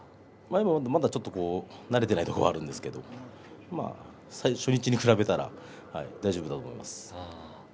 まだちょっと慣れていないところはあるんですけれど初日に比べたら大丈夫だと思います。